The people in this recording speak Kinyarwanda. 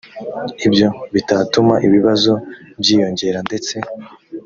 ibyo bitatuma ibibazo byiyongera ndetse